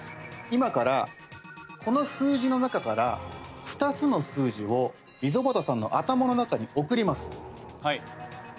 今からこの数字の中から２つの数字を溝端さんの頭の中に送ります。